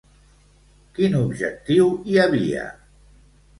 Quin objectiu hi havia?